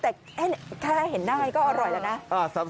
แต่แค่เห็นหน้าก็อร่อยแล้วนะ